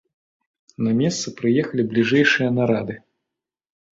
На месца прыехалі бліжэйшыя нарады.